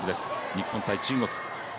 日本×中国。